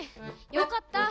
よかった。